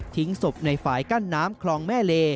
ศพในฝ่ายกั้นน้ำคลองแม่เล